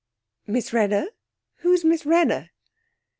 'Miss Wrenner! Who's Miss Wrenner?'